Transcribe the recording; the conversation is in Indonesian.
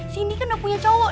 cindy kan udah punya cowok